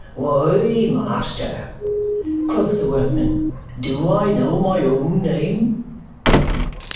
"Why, master," quoth the workman, "do I know my own name?"